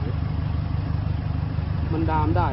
แล้วมันต้องกลับถ่าย